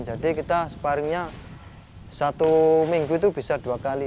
jadi kita sparringnya satu minggu itu bisa dua kali